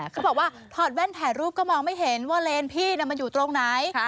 เขาบอกว่าถอดแว่นถ่ายรูปก็มองไม่เห็นว่าเลนพี่มันอยู่ตรงไหน